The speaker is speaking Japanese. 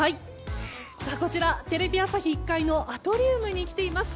こちら、テレビ朝日１階のアトリウムに来ています。